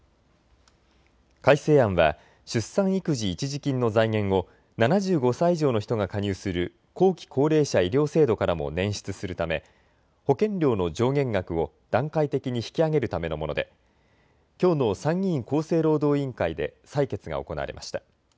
改正案は出産育児一時金の財源を７５歳以上の人が加入する後期高齢者医療制度からも捻出するため保険料の上限額を段階的に引き上げるためのものできょうの参議院厚生労働委員会で採決が行われました。